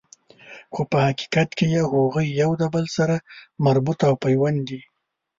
خو په حقیقت کی هغوی یو د بل سره مربوط او پیوند دي